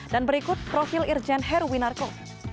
dan berikut profil irjen heruwinarko